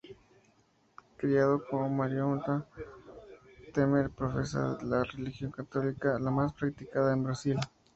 Criado como maronita, Temer profesa la religión católica, la más practicada en Brasil.